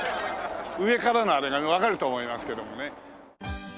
上からのあれがわかると思いますけどもね。